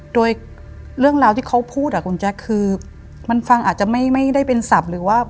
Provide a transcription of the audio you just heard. โดยเรื่องราวที่เขาพูดอ่ะคุณแจ๊คคือมันฟังอาจจะไม่ได้เป็นศัพท์หรือว่า